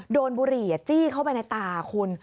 บุหรี่จี้เข้าไปในตาคุณ